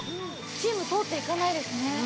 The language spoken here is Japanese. スチーム通っていかないですね。